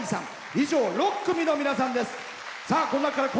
以上、６組の皆さんです。